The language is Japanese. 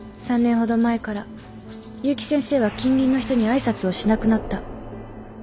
３年ほど前から結城先生は近隣の人に挨拶をしなくなった。